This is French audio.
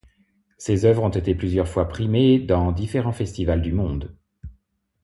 Ses œuvres ont été plusieurs fois primées dans différents festivals du monde.